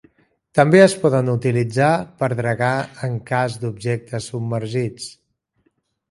També es poden utilitzar per dragar en cas d'objectes submergits.